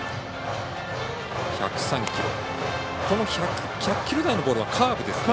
１００キロ台のボールはカーブですかね。